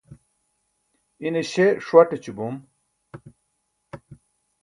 ine śe ṣuaṭ eću bom